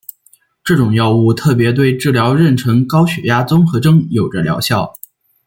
这种药物特别对治疗妊娠高血压综合征有着疗效。